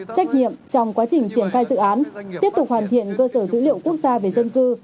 trách nhiệm trong quá trình triển khai dự án tiếp tục hoàn thiện cơ sở dữ liệu quốc gia về dân cư